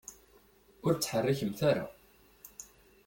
Ur ttḥerrikemt ara.